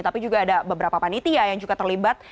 tapi juga ada beberapa panitia yang juga terlibat